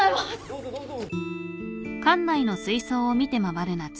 どうぞどうぞ。